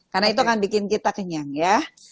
karena itu kan bikin kita kenyang ya